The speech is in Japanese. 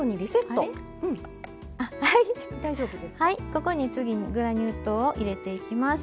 ここに次にグラニュー糖を入れていきます。